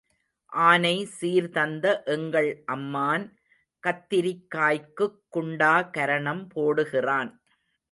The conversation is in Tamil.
ஆனை சீர் தந்த எங்கள் அம்மான் கத்திரிக்காய்க்குக் குண்டா கரணம் போடுகிறான்.